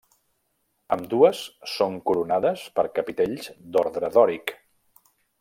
Ambdues són coronades per capitells d'ordre dòric.